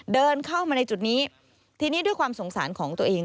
เดินเข้ามาในจุดนี้ทีนี้ด้วยความสงสารของตัวเอง